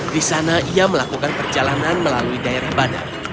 di sana ia melakukan perjalanan melalui daerah badan